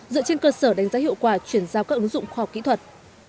dựa trên cơ sở đánh giá hiệu quả chuyển giao các ứng dụng khoa học kỹ thuật